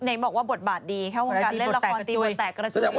ไหนบอกว่าบทบาทดีแค่โรงการเล่นละครตีบทแตกกระจุ้ยด้วย